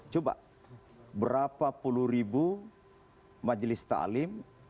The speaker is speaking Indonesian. coba berapa puluh ribu majelis taklim